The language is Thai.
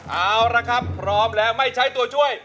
เอาละครับพร้อมแล้วไม่ใช้ตัวช่วย